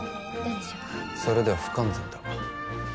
それでは不完全だ。